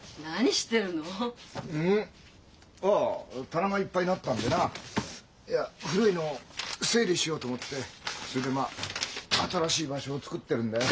棚がいっぱいになったんでないや古いのを整理しようと思ってそれでまあ新しい場所を作ってるんだよ。